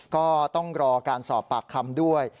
ก็ต้องรอการสอบปากคำด้วย